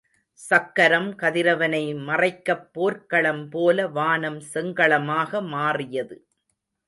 சக்கரம் கதிரவனை மறைக்கப் போர்க்களம் போல வானம் செங்களமாக மாறியது.